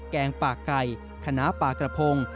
แกงปากไก่ขนาปลากระพง